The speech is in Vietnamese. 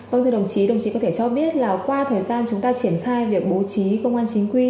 vâng thưa đồng chí đồng chí có thể cho biết là qua thời gian chúng ta triển khai việc bố trí công an chính quy